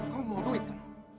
kamu mau duit kan